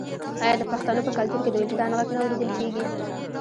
آیا د پښتنو په کلتور کې د وجدان غږ نه اوریدل کیږي؟